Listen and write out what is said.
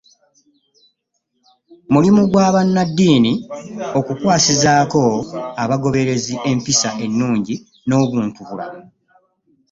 Mulimu gwa bannaddiini okukwasizaako abagoberezi empisa ennungi n'obuntu bulamu